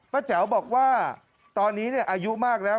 แจ๋วบอกว่าตอนนี้อายุมากแล้ว